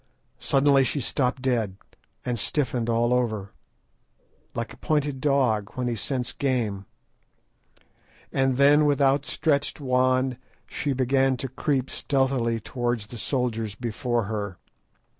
Suddenly she stopped dead and stiffened all over, like a pointer dog when he scents game, and then with outstretched wand she began to creep stealthily towards the soldiers before her.